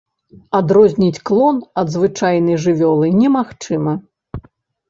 Адрозніць клон ад звычайнай жывёлы немагчыма.